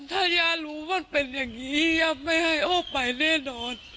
ถ้าย่ารู้มันเป็นอย่างนี้ย่าไม่ให้ออกไปแน่นอน